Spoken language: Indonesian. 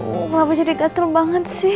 belum lama jadi gatel banget sih